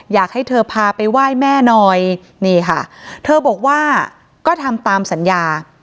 อยากให้เธอพาไปไหว้แม่หน่อยนี่ค่ะเธอบอกว่าก็ทำตามสัญญา